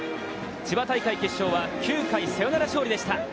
千葉大会決勝は９回サヨナラ勝利でした。